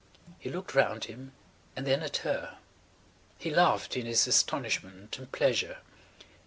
He looked round him and then at her; he laughed in his astonishment and pleasure.